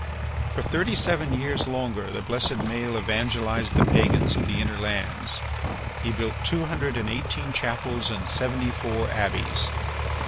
For thirty seven years longer the blessed Maël evangelized the pagans of the inner lands. He built two hundred and eighteen chapels and seventy four abbeys.